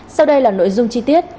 sau đây là nội dung chi tiết